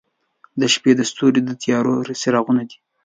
• د شپې ستوري د تیارو څراغونه دي.